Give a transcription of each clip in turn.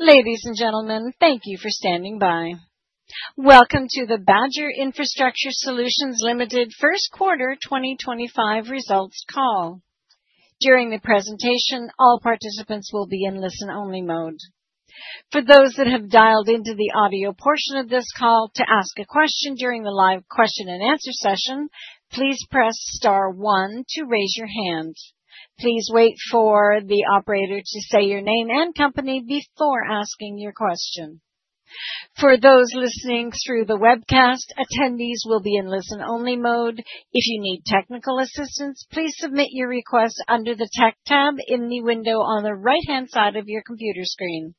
Ladies and gentlemen, thank you for standing by. Welcome to the Badger Infrastructure Solutions Ltd First Quarter 2025 Results Call. During the presentation, all participants will be in listen only mode. For those that have dialed into the audio portion of this call to ask a question during the live question and answer session, please press star one to raise your hand. Please wait for the operator to say your name and company before asking your question. For those listening through the webcast, attendees will be in listen only mode. If you need technical assistance, please submit your request under the Tech tab in the window on the right hand side of your computer screen.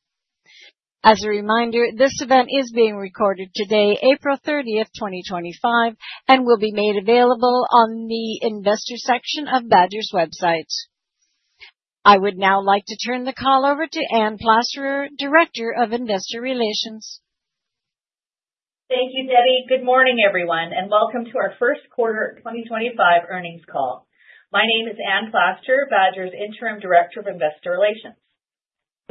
As a reminder, this event is being recorded today, April 30th, 2025 and will be made available on the Investors section of Badger's website. I would now like to turn the call over to Anne Plasterer, Director of Investor Relations. Thank you, Debbie. Good morning, everyone, and welcome to our first quarter 2025 earnings call. My name is Ann Plasterer, Badger's Interim Director of Investor Relations.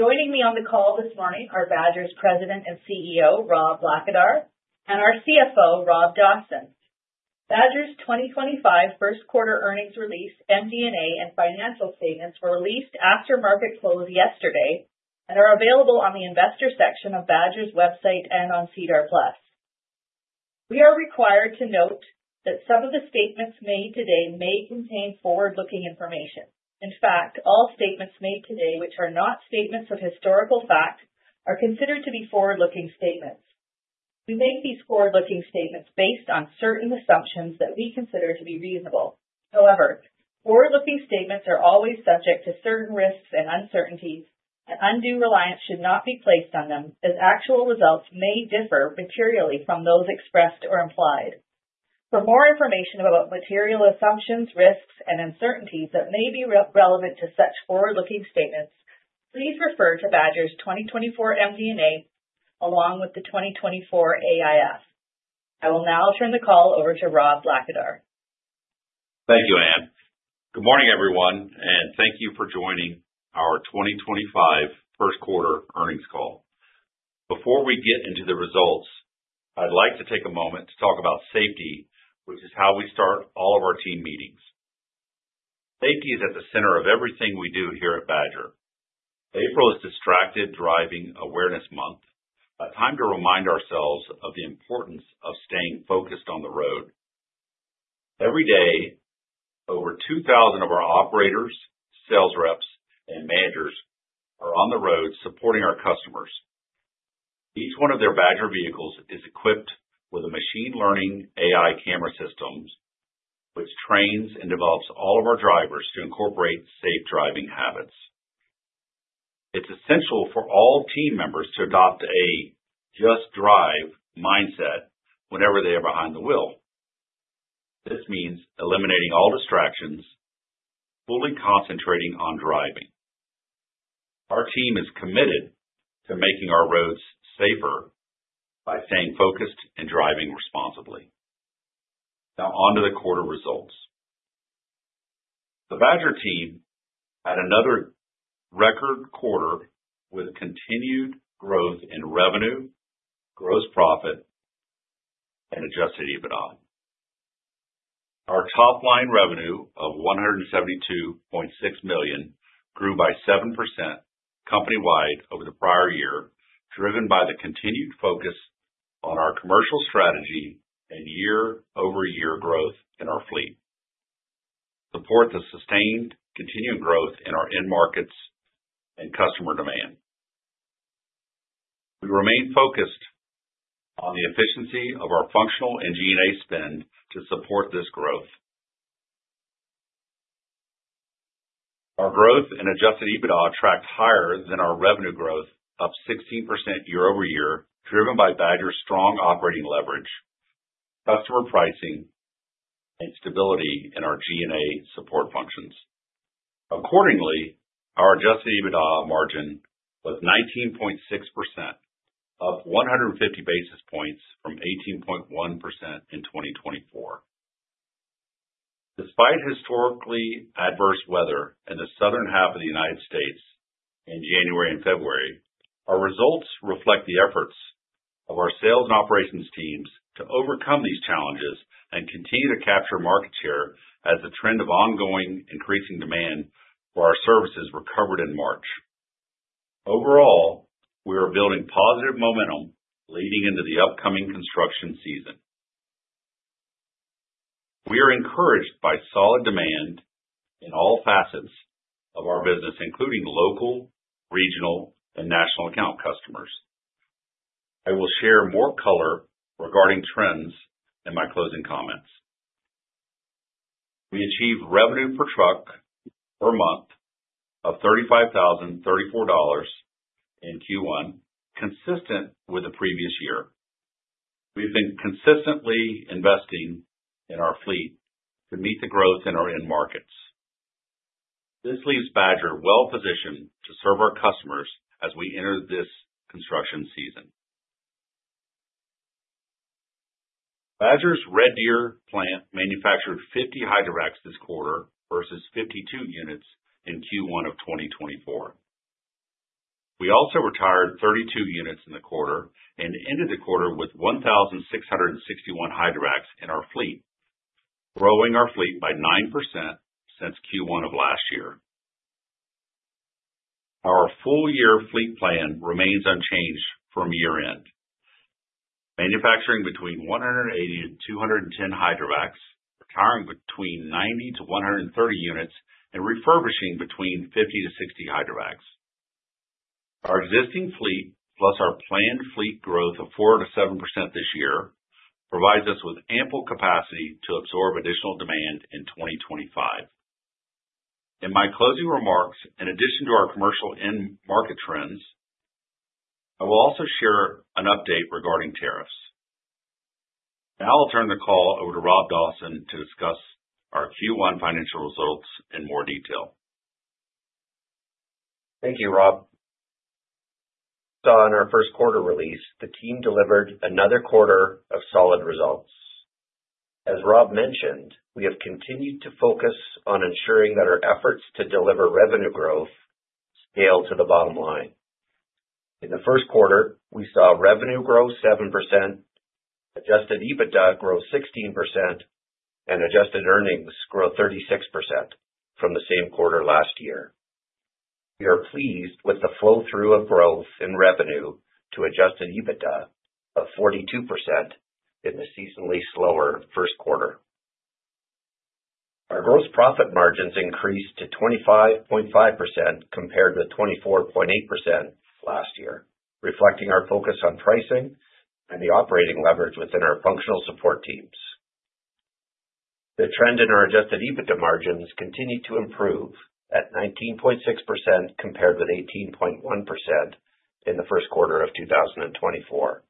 Joining me on the call this morning are Badger's President and CEO Rob Blackadar and our CFO Rob Dawson. Badger's 2025 first quarter earnings release, MD&A, and financial statements were released after market close yesterday and are available on the Investor section of Badger's website and on SEDAR+. We are required to note that some of the statements made today may contain forward-looking information. In fact, all statements made today which are not statements of historical fact are considered to be forward-looking statements. We make these forward-looking statements based on certain assumptions that we consider to be reasonable. However, forward looking statements are always subject to certain risks and uncertainties and undue reliance should not be placed on them as actual results may differ materially from those expressed or implied. For more information about material assumptions, risks and uncertainties that may be relevant to such forward looking statements, please refer to Badger's 2024 MD&A along with the 2024 AIF. I will now turn the call over to Rob Blackadar. Thank you, Anne. Good morning, everyone, and thank you for joining our 2025 First Quarter Earnings call. Before we get into the results, I'd like to take a moment to talk about safety, which is how we start all of our team meetings. Safety is at the center of everything we do here at Badger. April is Distracted Driving Awareness Month, a time to remind ourselves of the importance of staying focused on the road. Every day, over 2,000 of our operators, sales reps, and managers are on the road supporting our customers. Each one of their Badger vehicles is equipped with a machine learning AI camera system which trains and develops all of our drivers to incorporate safe driving habits. It's essential for all team members to adopt a just drive mindset whenever they are behind the wheel. This means eliminating all distractions, fully concentrating on driving. Our team is committed to making our roads safer by staying focused and driving responsibly. Now on to the quarter results. The Badger team had another record quarter with continued growth in revenue, gross profit and adjusted EBITDA. Our top line revenue of $172.6 million grew by 7% company wide over the prior year, driven by the continued focus on our commercial strategy and year-over-year growth in our fleet support, the sustained continuing growth in our end markets and customer demand. We remain focused on the efficiency of our functional and G&A spend to support this growth. Our growth in adjusted EBITDA tracked higher than our revenue growth, up 16% year over year driven by Badger's strong operating leverage, customer pricing and stability in our G&A support functions. Accordingly, our adjusted EBITDA margin was 19.6%, up 150 basis points from 18.1% in 2024 despite historically adverse weather in the southern half of the United States in January and February. Our results reflect the efforts of our sales and operations teams to overcome these challenges and continue to capture market share as the trend of ongoing increasing demand for our services recovered in March. Overall, we are building positive momentum leading into the upcoming construction season. We are encouraged by solid demand in all facets of our business, including local, regional and national account customers. I will share more color regarding trends in my closing comments. We achieved revenue per truck per month of $35,034 in Q1. Consistent with the previous year, we've been consistently investing in our fleet to meet the growth in our end markets. This leaves Badger well positioned to serve our customers as we enter this construction season. Badger's Red Deer plant manufactured 50 hydrovacs this quarter versus 52 units in Q1 of 2024. We also retired 32 units in the quarter and ended the quarter with 1,661 hydrovacs in our fleet, growing our fleet by 9% since Q1 of last year. Our full year fleet plan remains unchanged from year end, manufacturing between 180-210 hydrovacs, retiring between 90-130 units and refurbishing between 50-60 hydrovacs. Our existing fleet plus our planned fleet growth of 4-7% this year provides us with ample capacity to absorb additional demand in 2025. In my closing remarks, in addition to our commercial end market trends, I will also share an update regarding tariffs. Now I'll turn the call over to Rob Dawson to discuss our Q1 financial results in more detail. Thank you, Rob. In our first. Quarter release the team delivered another quarter of solid results. As Rob mentioned, we have continued to focus on ensuring that our efforts to deliver revenue growth scale to the bottom line. In the first quarter we saw revenue grow 7%, adjusted EBITDA grow 16%, and adjusted earnings grow 36% from the same quarter last year. We are pleased with the flow through of growth in revenue to adjusted EBITDA of 42%. In the seasonally slower first quarter, our gross profit margins increased to 25.5% compared to 24.8% last year, reflecting our focus on pricing and the operating leverage within our functional support teams. The trend in our adjusted EBITDA margins continued to improve at 19.6% compared with 18.1% in the first quarter of 2024.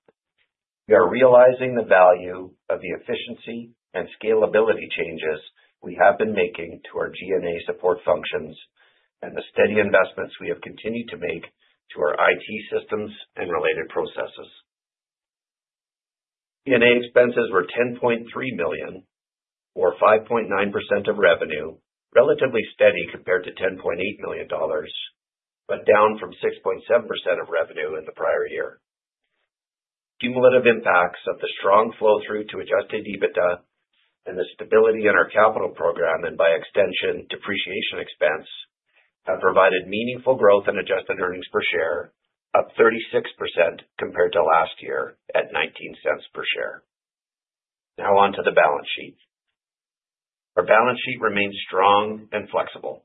We are realizing the value of the efficiency and scalability changes we have been making to our G&A support functions and the steady investments we have continued to make to our IT systems and related processes. G&A expenses were $10.3 million or 5.9% of revenue, relatively steady compared to $10.8 million, but down from 6.7% of revenue in the prior year. Cumulative impacts of the strong flow through to adjusted EBITDA and the stability in our capital program and by extension depreciation expense have provided meaningful growth in adjusted earnings per share, up 36% compared to last year at $0.19 per share. Now on to the balance sheet. Our balance sheet remains strong and flexible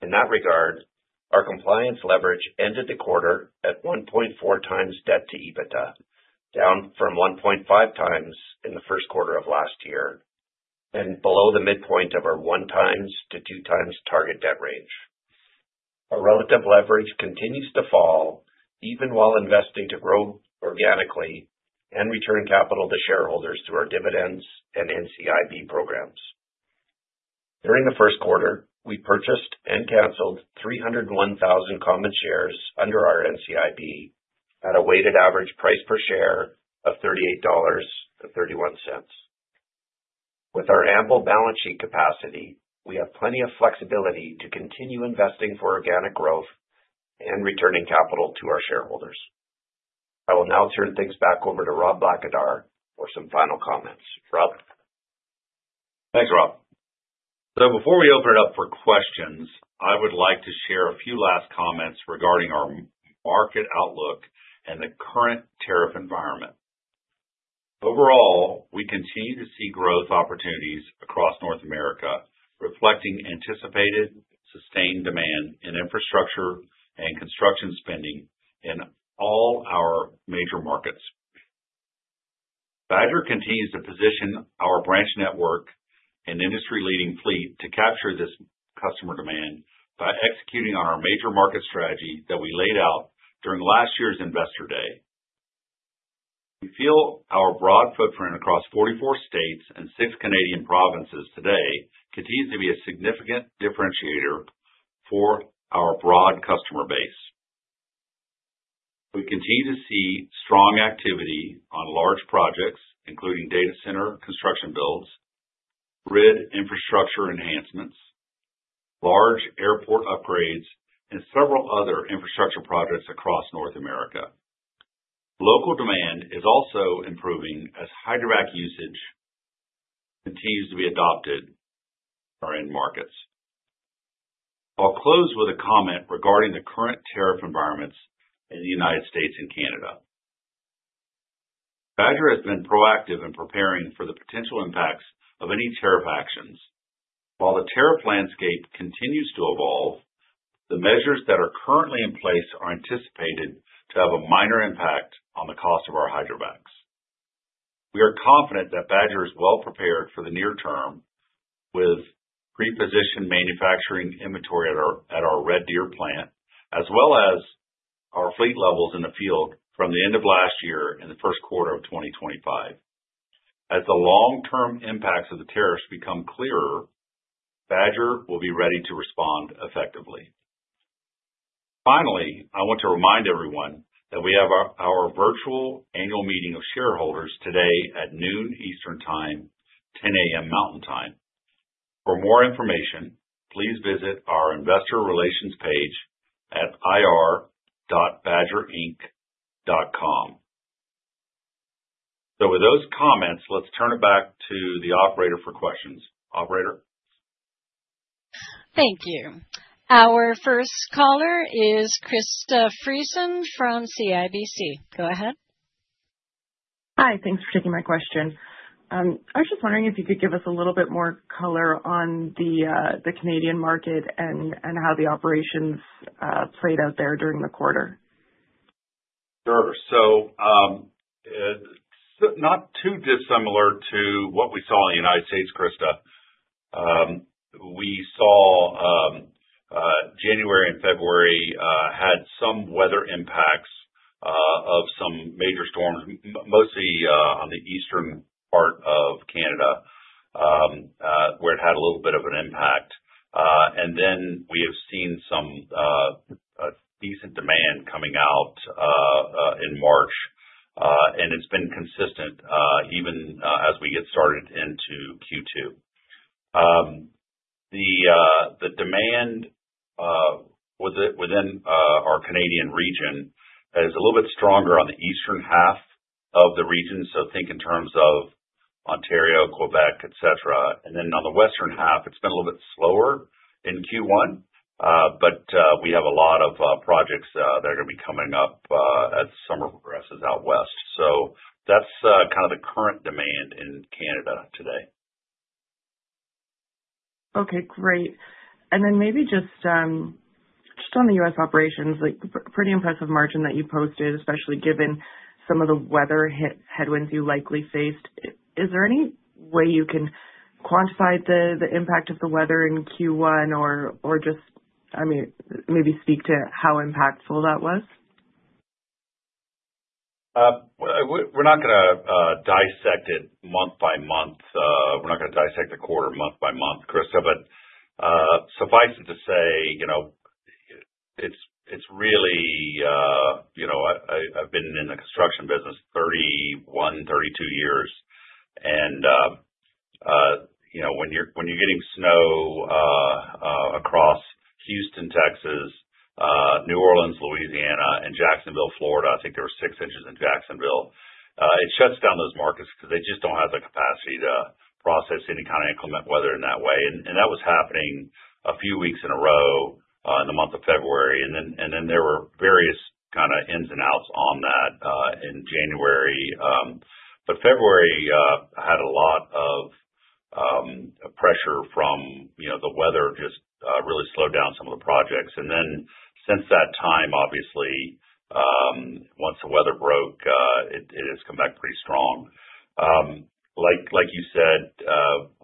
in that regard. Our compliance leverage ended the quarter at 1.4x debt to EBITDA, down from 1.5x in the first quarter of last year and below the midpoint of our 1x-2x target debt range. Our relative leverage continues to fall even while investing to grow organically and return capital to shareholders through our dividends and NCIB programs. During the first quarter we purchased and canceled 301,000 common shares under our NCIB at a weighted average price per share of $38.31. With our ample balance sheet capacity, we have plenty of flexibility to continue investing for organic growth and returning capital to our shareholders. I will now turn things back over to Rob Blackadar for some final comments. Rob? Thanks Rob. Before we open it up for questions, I would like to share a few last comments regarding our market outlook and the current tariff environment. Overall, we continue to see growth opportunities across North America reflecting anticipated sustained demand in infrastructure and construction spending in all our major markets. Badger continues to position our branch network and industry-leading fleet to capture this customer demand by executing on our major market strategy that we laid out during last year's Investor Day. We feel our broad footprint across 44 states and six Canadian provinces today continues to be a significant differentiator for our broad customer base. We continue to see strong activity on large projects including data center construction builds, grid infrastructure enhancements, large airport upgrades, and several other infrastructure projects across North America. Local demand is also improving as hydrovac usage continues to be adopted in our end markets. I'll close with a comment regarding the current tariff environments in the United States and Canada. Badger has been proactive in preparing for the potential impacts of any tariff actions. While the tariff landscape continues to evolve, the measures that are currently in place are anticipated to have a minor impact on the cost of our hydrovacs. We are confident that Badger is well prepared for the near term with pre-positioned manufacturing inventory at our Red Deer plant as well as our fleet levels in the field from the end of last year. In the first quarter of 2025, as the long term impacts of the tariffs become clearer, Badger will be ready to respond effectively. Finally, I want to remind everyone that we have our virtual annual meeting of shareholders today at noon Eastern Time, 10:00 A.M. Mountain Time. For more information please visit our Investor Relations page at ir.badgerinc.com. With those comments, let's turn it back to the operator for questions. Operator. Thank you. Our first caller is Krista Friesen from CIBC. Go ahead. Hi. Thanks for taking my question. I was just wondering if you could give us a little bit more color on the Canadian market and how the operations played out there during the quarter. Sure. Not too dissimilar to what we saw in the United States, Krista. We saw January and February had some weather impacts of some major storms, mostly on the eastern part of Canada where it had a little bit of an impact. We have seen some decent demand coming out in March and it's been consistent even as we get started into Q2. The demand within our Canadian region is a little bit stronger on the eastern half of the region. Think in terms of Ontario, Quebec, et cetera. On the western half it's been a little bit slower in Q1, but we have a lot of projects that are going to be coming up as summer progresses out west. That's kind of the current demand in Canada today. Okay, great. Maybe just on the U.S. operations, pretty impressive margin that you posted, especially given some of the weather headwinds you likely faced. Is there any way you can quantify the impact of the weather in Q1 or just, I mean, maybe speak to how impactful that was? We're not going to dissect it month by month. We're not going to dissect the quarter month by month, Krista. But suffice it to say, you know, really, you know, I've been in the construction business 31, 32 years and you know, when you're, when you're getting snow across Houston, Texas, New Orleans, Louisiana and Jacksonville, Florida, I think there were 6 inches in Jacksonville. It shuts down those markets because they just don't have the capacity to process any kind of inclement weather in that way. That was happening a few weeks in a row in the month of February. There were various kind of ins and outs on that in January. February had a lot of pressure from the weather, just really slowed down some of the projects. Since that time, obviously once the weather broke, it has come back pretty strong. Like you said,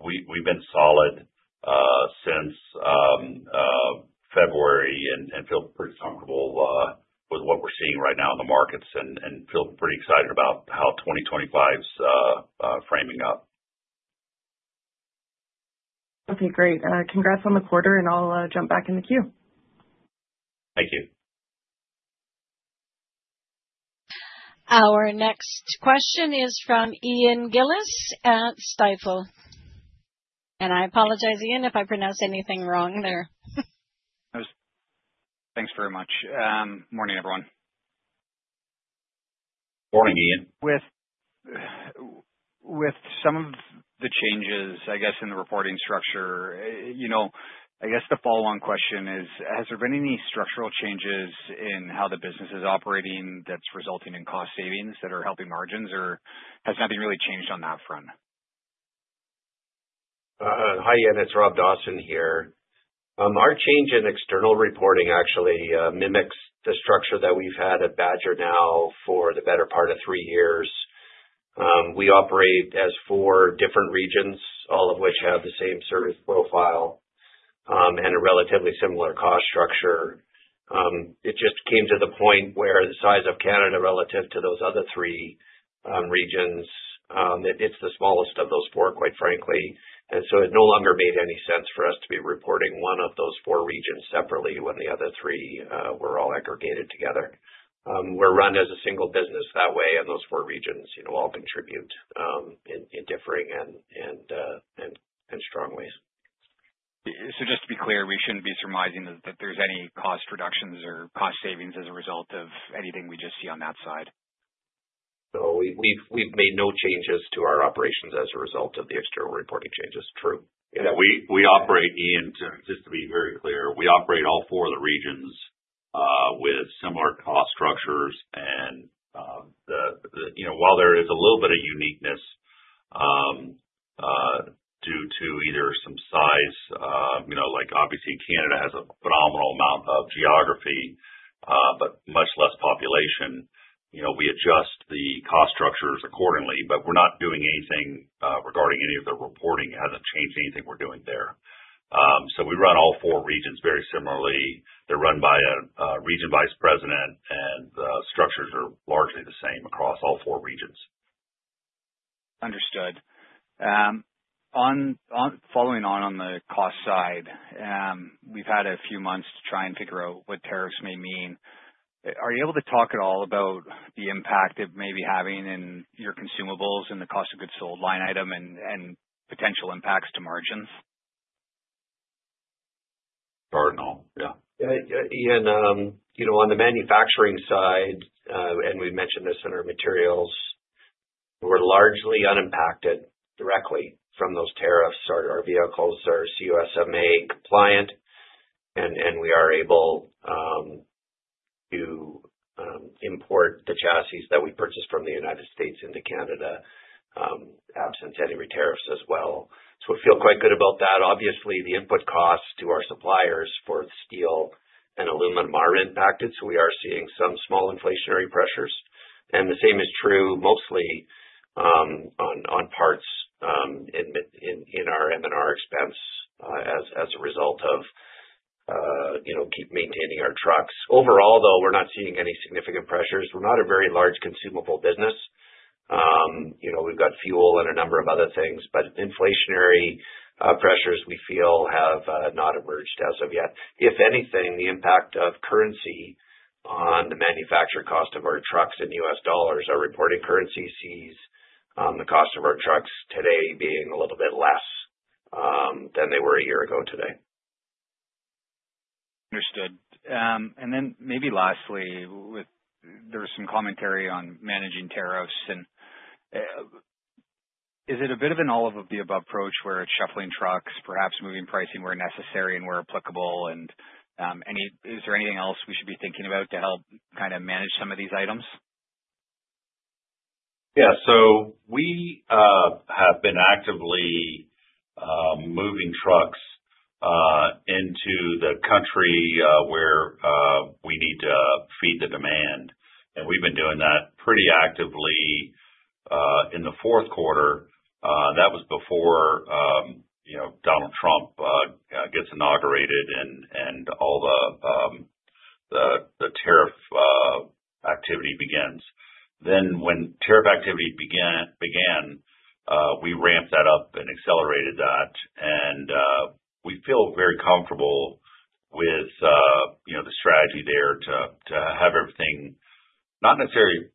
we've been solid since February and feel pretty comfortable with what we're seeing right now in the markets and feel pretty excited about how 2025 is framing up. Okay, great. Congrats on the quarter and I'll jump back in the queue. Thank you. Our next question is from Ian Gillies at Stifel and I apologize, Ian, if I pronounce anything wrong there. Thanks very much. Morning everyone. Morning, Ian. With some of the changes, I guess in the reporting structure, you know, I guess the follow on question is has there been any structural changes in how the business is operating that's resulting in cost savings that are helping margins, or has nothing really changed on that front? Hi, Ian, it's Rob Dawson here. Our change in external reporting actually mimics the structure that we've had at Badger now for the better part of three years. We operate as four different regions, all of which have the same service profile and a relatively similar cost structure. It just came to the point where the size of Canada relative to those other three regions, it's the smallest of those four, quite frankly. It no longer made any sense for us to be reporting one of those four regions separately when the other three were all aggregated together. We're run as a single business that way and those four regions all contribute in differing and strong ways. Just to be clear, we shouldn't be surmising that there's any cost reductions or cost savings as a result of anything we just see on that side. We've made no changes to our operations as a result of the external reporting changes. True. We operate. Ian, just to be very clear, we operate all four of the regions with similar cost structures. And while there is a little bit of uniqueness due to either some size, like obviously Canada has a phenomenal amount of geography but much less population, you know, we adjust the cost structures accordingly, but we're not doing anything regarding any of the reporting. It hasn't changed anything we're doing there. So we run all four regions very similarly. They're run by a region vice president and structures are largely the same across all four regions. Understood. Following on on the cost side, we've had a few months to try and figure out what tariffs may mean. Are you able to talk at all about the impact it may be having in your consumables and the cost of goods sold line item and potential impacts to margins? Cardinal yeah, Ian on the manufacturing side and we mentioned this in our materials, we're largely unimpacted directly from those tariffs. Our vehicles are CUSMA compliant and we are able to import the chassis that we purchased from the United States into Canada absent any re-tariffs as well. We feel quite good about that. Obviously the input costs to our suppliers for steel and aluminum are impacted. We are seeing some small inflationary pressures and the same is true mostly on parts in in our M&R expense as a result of keep maintaining our trucks. Overall, though, we're not seeing any significant pressures. We're not a very large consumable business. We've got fuel and a number of other things. Inflationary pressures we feel have not emerged as of yet. If anything, the impact of currency on the manufacturer cost of our trucks in U.S. Dollars, our reported currency, fees, the cost of our trucks today being a little bit less than they were a year ago today. Understood. Maybe lastly there was some commentary on managing tariffs. Is it. A bit of an all of the above approach where it's shuffling trucks, perhaps moving pricing where necessary and where applicable? Is there anything else we should be thinking about to help kind of manage some of these items? Yeah, we have been actively moving trucks into the country where we need to feed the demand and we've been doing that pretty actively in the fourth quarter. That was before Donald Trump gets inaugurated and all the tariff activity begins. When tariff activity began, we ramped that up and accelerated that and we feel very comfortable with the strategy there to have everything not necessarily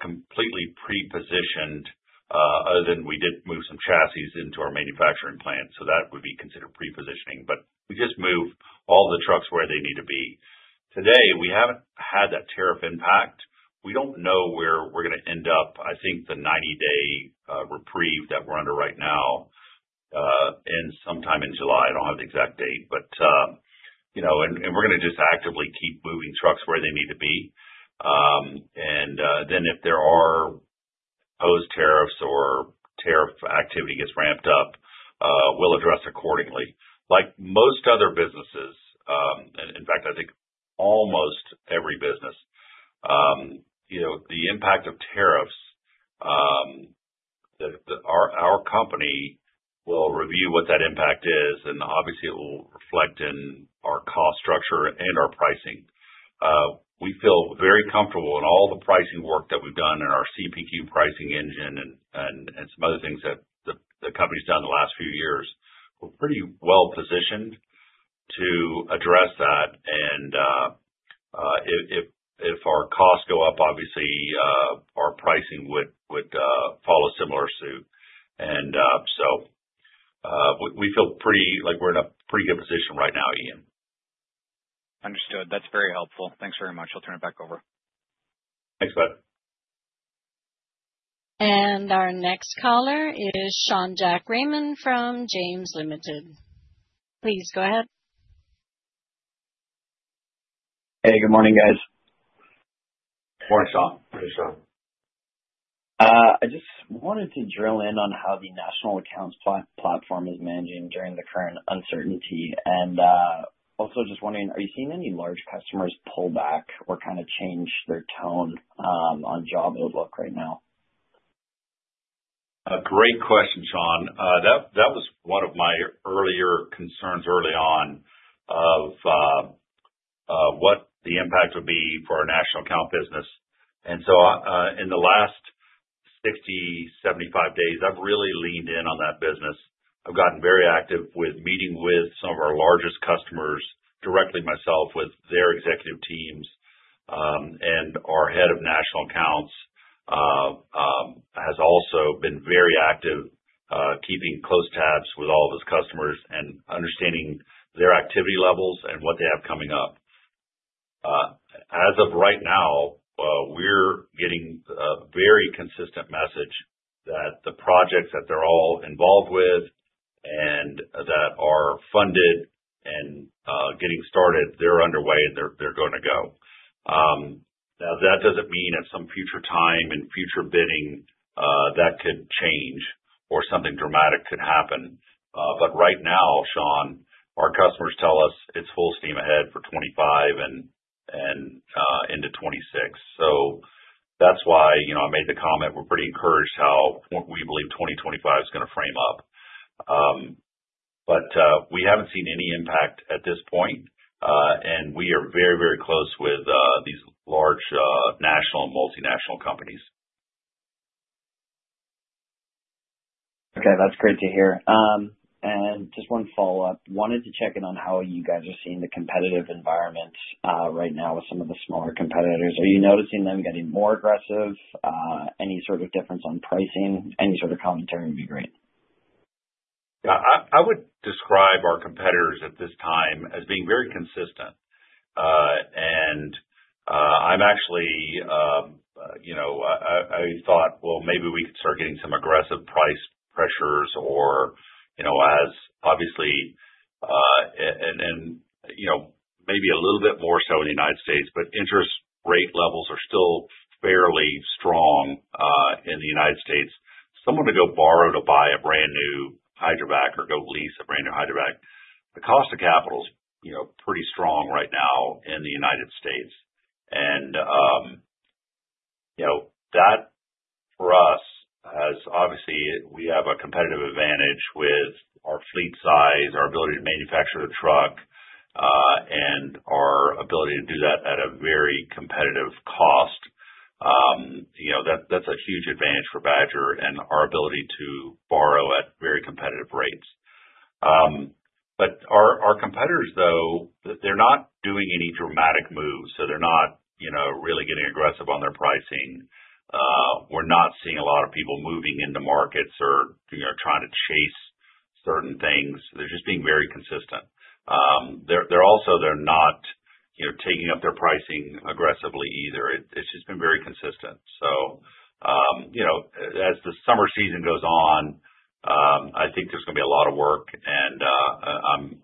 completely pre positioned other than we did move some chassis into our manufacturing plant. That would be considered pre positioning. We just move all the trucks where they need to be today. We haven't had that tariff impact. We don't know where we're going to end up. I think the 90 day reprieve that we're under right now is sometime in July, I don't have the exact date but, you know, we're going to just actively keep moving trucks where they need to be and then if there are those tariffs or tariff activity gets ramped up, we'll address accordingly like most other businesses. In fact, I think almost every business, you know, the impact of tariffs, our company will review what that impact is and obviously it will reflect in our cost structure and our pricing. We feel very comfortable in all the pricing work that we've done in our CPQ pricing engine and, and some other things that the company's done the last few years. We're pretty well positioned to address that and if our costs go up, obviously our pricing would follow similar suit and so we feel pretty like we're in a pretty good position right now, Ian. Understood, that's very helpful. Thanks very much. I'll turn it back over. Thanks bud. Our next caller is Sean Jack from Raymond James Ltd. Please go ahead. Hey, good morning guys. Morning, Sean. I just wanted to drill in on how the national accounts platform is managing during the current uncertainty, and also just wondering are you seeing any large customers pull back or kind of change their. Tone on job outlook right now? Great question, Sean. That was one of my earlier concerns early on of what the impact would be for our national account business. In the last 60-75 days I have really leaned in on that business. I have gotten very active with meeting with some of our largest customers directly, myself with their executive teams. Our head of national accounts has also been very active keeping close tabs with all of his customers and understanding their activity levels and what they have coming up. As of right now, we are getting very consistent message that the projects that they are all involved with and that are funded and getting started, they are underway and they are going to go now. That does not mean at some future time, in future bidding that could change or something dramatic could happen. Right now, Sean, our customers tell us it's full steam ahead for 2025 and into 2026. That is why I made the comment. We're pretty encouraged how we believe 2025 is going to frame up, but we haven't seen any impact at this point. We are very, very close with these large national and multinational companies. Okay, that's great to hear. Just one follow up. Wanted to check in on how you guys are seeing the competitive environment right now with some of the smaller competitors. Are you noticing them getting more aggressive? Any sort of difference on pricing, any sort of commentary would be great. I would describe our competitors at this time as being very consistent. And I'm actually, you know, I thought, well, maybe we could start getting some aggressive price pressures or, you know, as obviously and, you know, maybe a little bit more so in the United States. But interest rates, rate levels are still fairly strong in the United States. Someone to go borrow to buy a brand new hydrovac or go lease a brand new hydrovac. The cost of capital is pretty strong right now in the United States. And that for us has. Obviously we have a competitive advantage with our fleet size, our ability to manufacture the truck, and our ability to do that at a very competitive cost. That's a huge advantage for Badger and our ability to borrow at very competitive rates. Our competitors, though, they're not doing any dramatic moves, so they're not really getting aggressive on their pricing. We're not seeing a lot of people moving into markets or trying to chase certain things. They're just being very consistent. They're also not taking up their pricing aggressively either. It's just been very consistent. You know, as the summer season goes on, I think there's going to be a lot of work and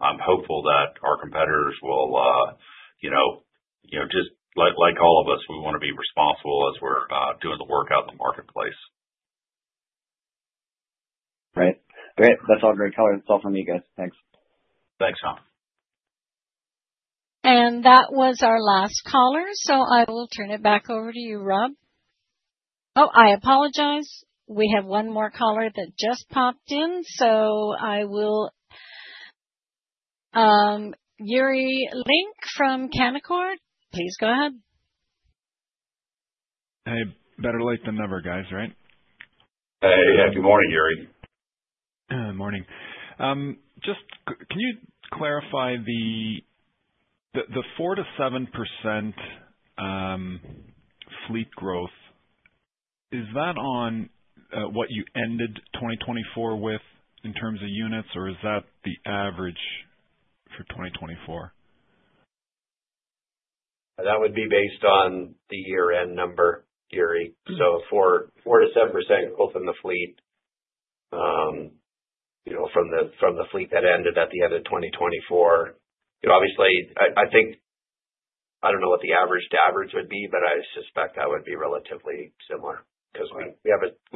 I'm hopeful that our competitors will, you know, just like all of us, we want to be responsible as we're doing the work out in the marketplace. Right, great. That's all. Great color. That's all from you guys. Thanks. Thanks, Sean. That was our last caller, so I will turn it back over to you, Rob. Oh, I apologize. We have one more caller that just popped in, so I will. Yuri Lynk from Canaccord, please. Go ahead. Hey, better late than never, guys, right? Hey, happy morning, Yuri. Good morning. Just can you clarify the 4%-. 7%. Fleet growth, is that on what you ended 2024 with in terms of units, or is that the average for 2024? That would be based on the year-end number, Yuri. So for 4%-7% growth in. The fleet. You know, from the fleet that ended at the end of 2024, you know, obviously, I think I don't know what the average to average would be, but I suspect that would be relatively similar because we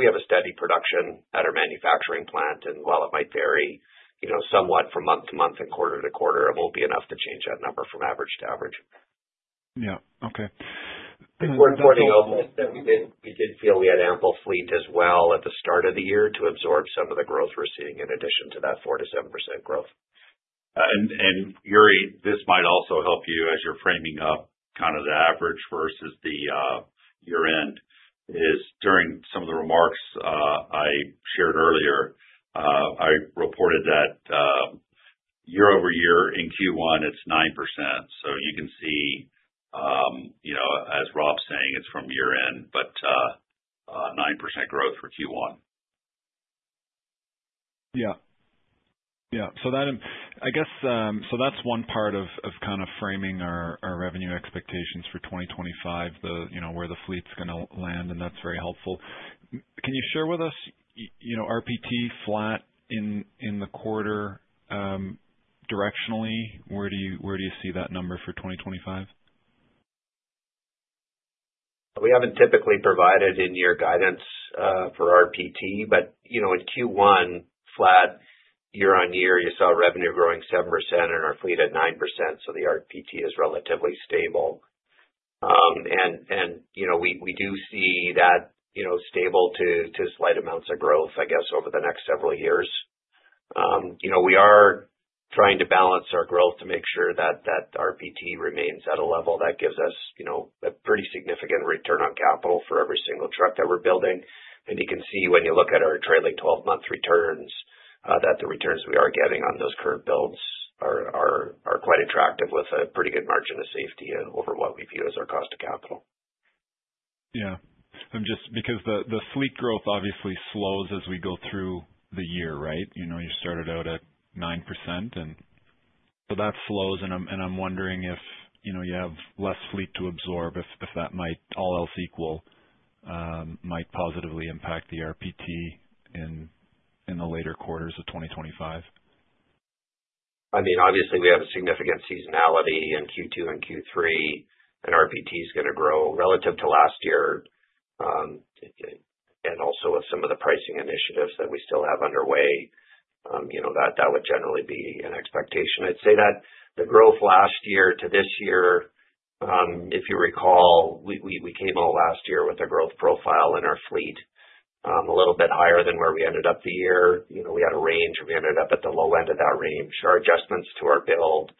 have a steady production at our manufacturing plant. And while it might vary, you know, somewhat from month to month and quarter to quarter, it won't be enough to change that number from average to average. Yeah. Okay. We're pointing out that we did feel we had ample fleet as well at the start of the year to absorb some of the growth we're seeing in addition to that 4%-7% growth. Yuri, this might also help you as you're framing up kind of the average versus the year end. During some of the remarks I shared earlier, I reported that year-over-year in Q1 it's 9%. You can see, as Rob's saying, it's from year end, but 9% growth for Q1. Yeah, yeah. That I guess so. That's one part of kind of framing our revenue expectations for 2025, where the fleet's going to land. That's very helpful. Can you share with us RPT flat in the quarter directionally. Where do you see that number for 2025? We have not typically provided in year guidance for RPT, but in Q1 flat year on year, you saw revenue growing 7% and our fleet at 9%. The RPT is relatively stable and we do see that. Stable to slight amounts of growth, I guess over the next several years. We are trying to balance our growth to make sure that RPT remains at a level that gives us a pretty significant return on capital for every single truck that we are building. You can see when you look at our trailing twelve month returns that the returns we are getting on those current builds are quite attractive with a pretty good margin of safety over what we view as our cost of capital. Yeah, I'm just. Because the fleet growth obviously slows as we go through the year. Right. You know, you started out at 9% and so that slows. I'm wondering if you have less fleet to absorb, if that might, all else equal, might positively impact the RPT in the later quarters of 2025. I mean, obviously we have a significant seasonality in Q2 and Q3 and RPT is going to grow relative to last year. Also, with some of the pricing initiatives that we still have underway, you know that that would generally be an expectation. I'd say that the growth last year to this year, if you recall, we came out last year with a growth profile in our fleet a little bit higher than where we ended up the year. You know, we had a range, we ended up at the low end of that range. Our adjustments to our build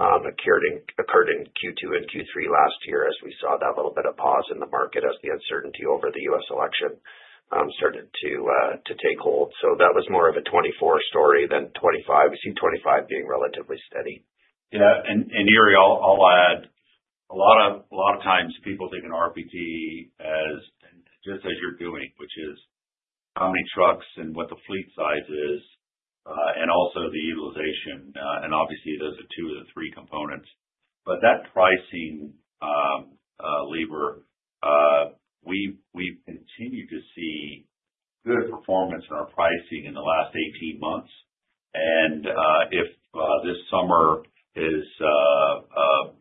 occurred in Q2 and Q3 last year as we saw that little bit of pause in the market as the uncertainty over the U.S. election started to take hold. That was more of a 2024 story than 2025. We see 2025 being relatively steady. Yeah. Yuri, I'll add a lot of times people think an RPT as just as you're doing, which is how many trucks and what the fleet size is and also the utilization. Obviously those are two of the three components. That pricing lever, we continue to see good performance in our pricing in the last 18 months. If this summer is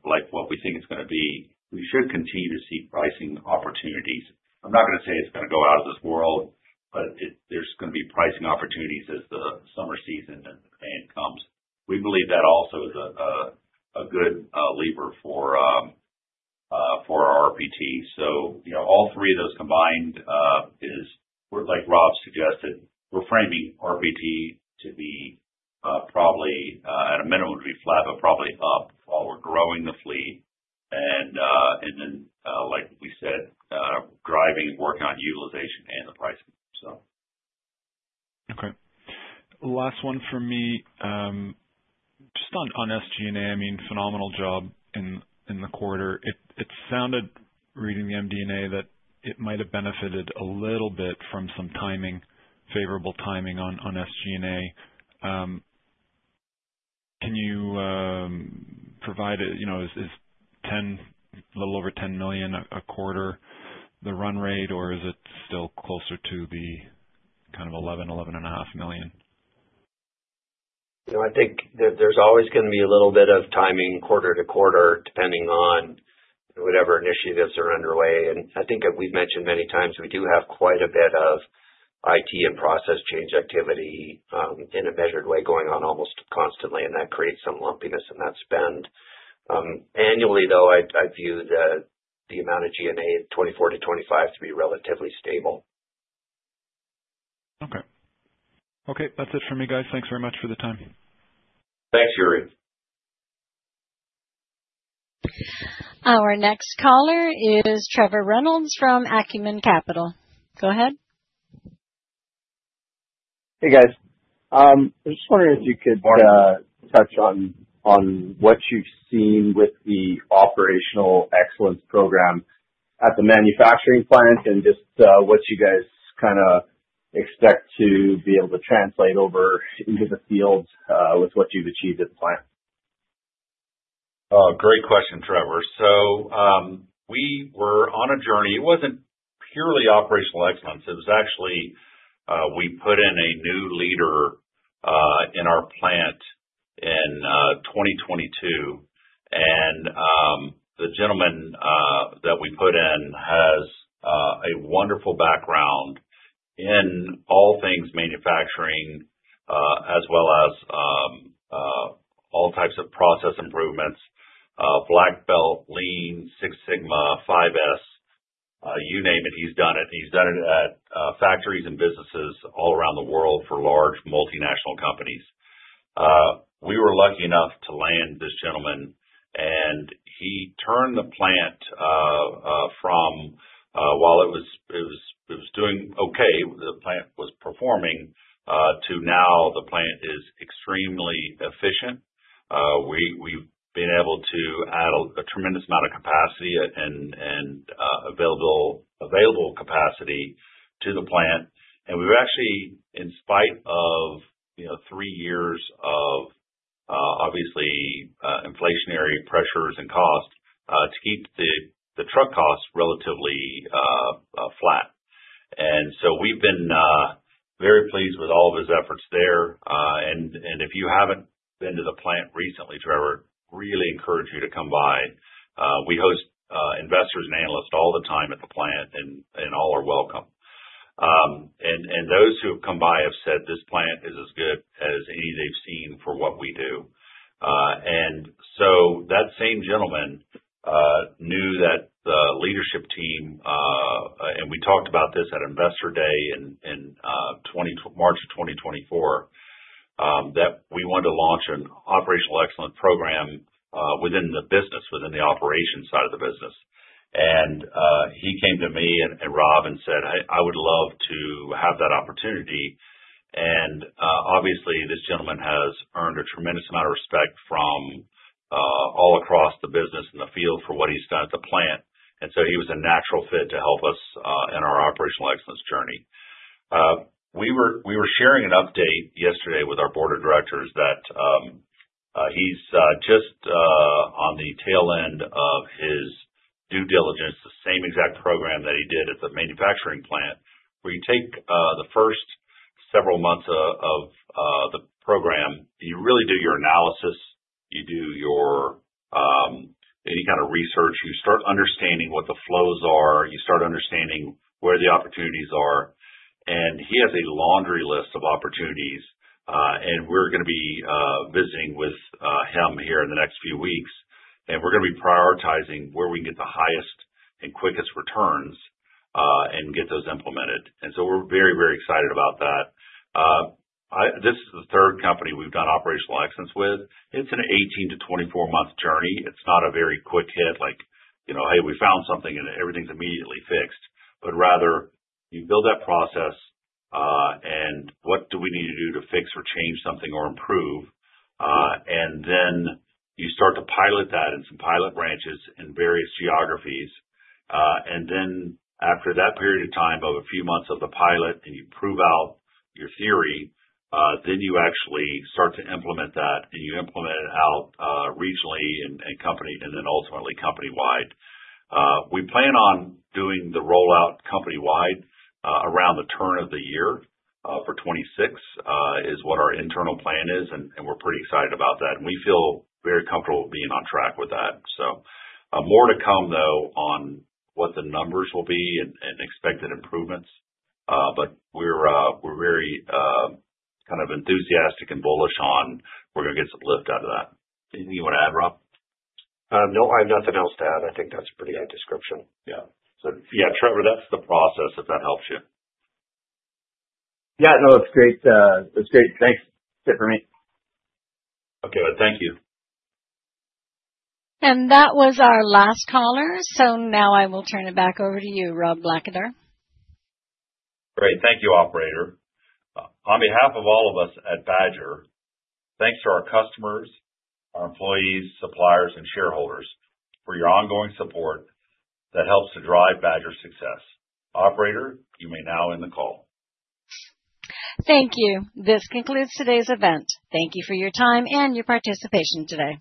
like what we think it's going to be, we. Should continue to see pricing opportunities. I'm not going to say it's going. To go out of this world, but there's going to be pricing opportunities as the summer season and demand comes. We believe that also is a good lever for our RPT. All three of those combined is like Rob suggested, we're framing RPT to be probably at a minimum to be flat, but probably up while we're growing the fleet. Like we said, driving work on utilization and the pricing. Okay, last one for me just on G&A, I mean, phenomenal job in the quarter. It sounded, reading the MD&A, that it might have benefited a little bit from some timing, favorable timing on G&A. Can you provide it? You know, is a little over $10 million a quarter the run rate or is it still closer to the kind of $11-11.5 million? I think there's always going to be a little bit of timing quarter to quarter depending on whatever initiatives are underway. I think we've mentioned many times we do have quite a bit of IT and process change activity in a measured way going on almost constantly and that creates some lumpiness in that spend. Annually though, I view the amount of G&A 2024 to 2025 to be relatively stable. Okay. Okay, that's it for me, guys. Thanks very much for the time. Thanks, Yuri. Our next caller is Trevor Reynolds from Acumen Capital. Go ahead. Hey guys, I was just wondering if you could touch on what you've seen. With the operational excellence program at the. Manufacturing plant and just what you guys kind of expect to be able to. Translate over into the field with what you've achieved at the plant. Great question, Trevor. We were on a journey. It was not purely operational excellence. It was actually we put in a new leader in our plant in 2022 and the gentleman that we put in has a wonderful background in all things manufacturing as well as all types of process improvements, black belt lean, Six Sigma, 5S, you name it, he's done it. He's done it at factories and businesses all around the world for large multinational companies. We were lucky enough to land this gentleman and he turned the plant from, while it was doing okay, the plant was performing, to now the plant is extremely efficient. We've been able to add a tremendous amount of capacity and available, available capacity to the plant. We were actually, in spite of three years of obviously inflationary pressures and cost, able to keep the truck costs relatively flat. We have been very pleased with all of his efforts there. If you have not been to the plant recently, Trevor, I really encourage you to come by. We host investors and analysts all the time at the plant and all are welcome. Those who have come by have said this plant is as good as any they have seen for what we do. That same gentleman knew that the leadership team, and we talked about this at Investor Day in March 2024, wanted to launch an operational excellence program within the business, within the operations side of the business. He came to me and Rob and said, hey, I would love to have that opportunity. Obviously this gentleman has earned a tremendous amount of respect from all across the business and the field for what he's done at the plant. He was a natural fit to help us in our operational excellence journey. We were sharing an update yesterday with our board of directors that he's just on the tail end of his due diligence. The same exact program that he did at the manufacturing plant where you take the first several months of the program, you really do your analysis, you do any kind of research, you start understanding what the flows are, you start understanding where the opportunities are. He has a laundry list of opportunities. We are going to be visiting with him here in the next few weeks and we are going to be prioritizing where we can get the highest and quickest returns and get those implemented. We are very, very excited about that. This is the third company we have done operational excellence with. It is an 18-24 month journey. It is not a very quick hit like, hey, we found something and everything is immediately fixed, but rather you build that process and what do we need to do to fix or change something or improve? You start to pilot that in some pilot branches, in various geographies. After that period of time of a few months of the pilot and you prove out your theory, you actually start to implement that, and you implement it out regionally and then ultimately company wide. We plan on doing the rollout company wide around the turn of the year for 2026 is what our internal plan is. We are pretty excited about that. We feel very comfortable being on track with that. More to come though on what the numbers will be and expected improvements, but we are very kind of enthusiastic and bullish on. We are going to get some lift out of that. Anything you want to add, Rob? No, I have nothing else to add. I think that's a pretty good description. Yeah. Yeah, Trevor, that's the process, if that helps you. Yeah, no, it's great. That's great. Thanks. For me. Okay, thank you. That was our last caller. Now I will turn it back over to you, Rob Blackadar. Great. Thank you, operator. On behalf of all of us at Badger, thanks to our customers, our employees, suppliers, and shareholders for your ongoing support that helps to drive Badger's success. Operator, you may now end the call. Thank you. This concludes today's event. Thank you for your time and your participation today.